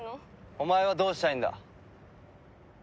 お前はどうしたいんだ？